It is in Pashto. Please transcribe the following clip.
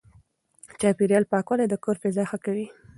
چاپېريال پاکوالی د کور فضا ښه کوي.